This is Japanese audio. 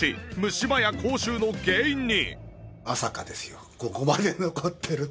虫歯や口臭の原因に！